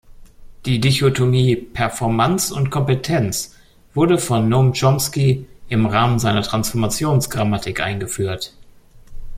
Die Dichotomie Performanz und Kompetenz wurde von Noam Chomsky im Rahmen seiner Transformationsgrammatik eingeführt.